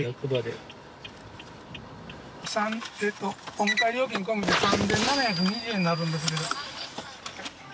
お迎え料金込みで３，７２０円になるんですけど。